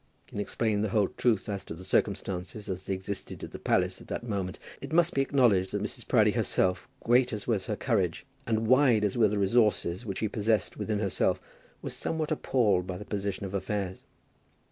In explaining the whole truth as to circumstances as they existed at the palace at that moment, it must be acknowledged that Mrs. Proudie herself, great as was her courage, and wide as were the resources which she possessed within herself, was somewhat appalled by the position of affairs.